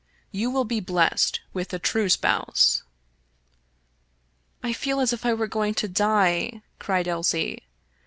You will yet be blessed with the true spouse." " I feel as if I were going to die," cried Elsie.